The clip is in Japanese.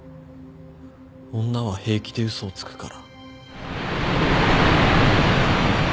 女は平気で嘘をつくから。